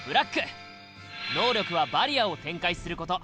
能力はバリアを展開すること。